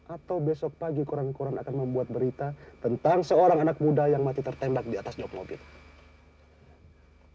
atau besok pagi korang korang akan membuat berita tentang seorang anak muda yang mati tertembak di atas joglok itu